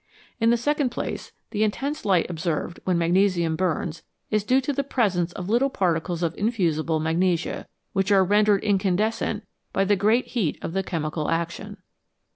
In the second place, the intense light observed when magnesium burns is due to the presence of little particles of infusible magnesia, which are rendered incandescent by the great heat of the chemical action.